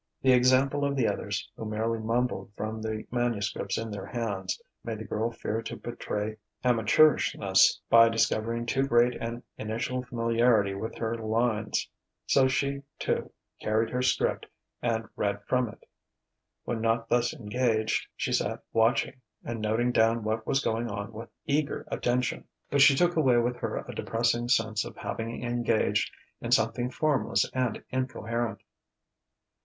The example of the others, who merely mumbled from the manuscripts in their hands, made the girl fear to betray amateurishness by discovering too great an initial familiarity with her lines. So she, too, carried her "'script," and read from it. When not thus engaged, she sat watching and noting down what was going on with eager attention. But she took away with her a depressing sense of having engaged in something formless and incoherent.